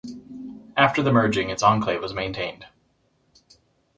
After the merging its enclave was maintained.